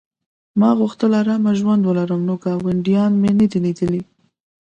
ما غوښتل ارام ژوند ولرم نو ګاونډیان مې نه دي لیدلي